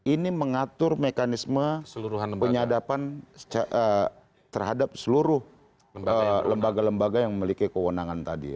ini mengatur mekanisme penyadapan terhadap seluruh lembaga lembaga yang memiliki kewenangan tadi